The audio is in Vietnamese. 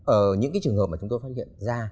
ở những cái trường hợp mà chúng tôi phát hiện ra